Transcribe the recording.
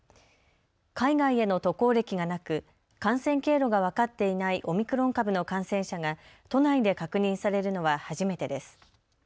海外への渡航歴がなく感染経路が分かっていないオミクロン株の感染者が都内で確認されるのは初めてです。